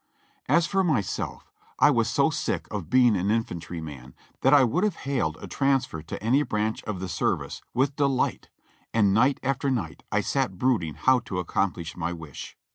As for myself, I was so sick of being an infantryman that I would have hailed a transfer to any branch of the service with de light, and night after night I sat brooding how to accomplish my wish.